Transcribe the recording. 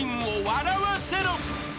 ［笑わせろ］